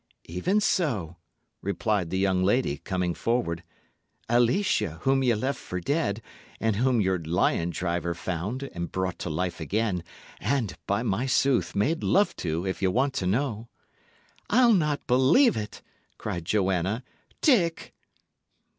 "Even so," replied the young lady, coming forward. "Alicia, whom ye left for dead, and whom your lion driver found, and brought to life again, and, by my sooth, made love to, if ye want to know!" "I'll not believe it," cried Joanna. "Dick!"